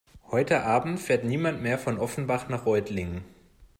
Heute Abend fährt niemand mehr von Offenbach nach Reutlingen